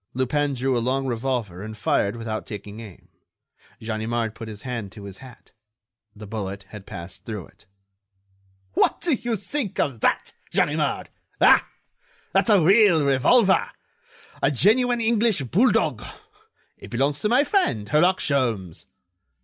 Lupin drew a long revolver and fired without taking aim. Ganimard put his hand to his hat: the bullet had passed through it. "What do you think of that, Ganimard! Ah! that's a real revolver! A genuine English bulldog. It belongs to my friend, Herlock Sholmes."